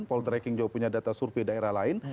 paul treking juga punya data survei daerah lain